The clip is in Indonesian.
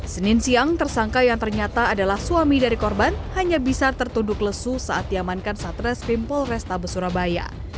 senin siang tersangka yang ternyata adalah suami dari korban hanya bisa tertunduk lesu saat diamankan satres pimpol resta besurabaya